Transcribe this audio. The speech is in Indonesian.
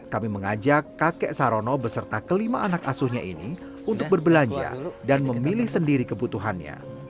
kami mengajak kakek sarono beserta kelima anak asuhnya ini untuk berbelanja dan memilih sendiri kebutuhannya